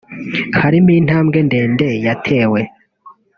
harimo intambwe ndende yatewe